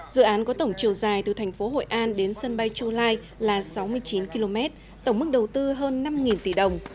dự án có tổng chiều dài từ thành phố hội an đến sân bay chu lai là sáu mươi chín km tổng mức đầu tư hơn năm tỷ đồng